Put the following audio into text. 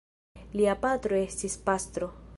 Lia patro estis pastro.